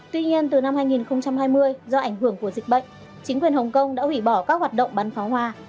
tuy nhiên từ năm hai nghìn hai mươi do ảnh hưởng của dịch bệnh chính quyền hồng kông đã hủy bỏ các hoạt động bắn pháo hoa